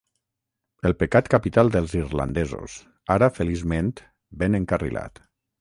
El pecat capital dels irlandesos, ara feliçment ben encarrilat.